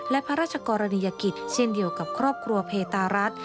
และพระราชกรณียกิจเช่นเดียวกับครอบครัวเพตารัฐ